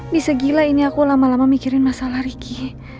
di segi lah ini aku lama lama mikirin masalah ricky